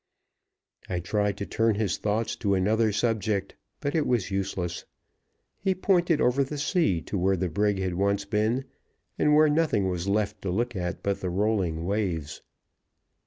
I tried to turn his thoughts to another subject, but it was useless. He pointed over the sea to where the brig had once been, and where nothing was left to look at but the rolling waves.